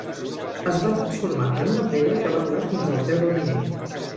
Es va transformar en una pedra que va rodar fins al peu del miner.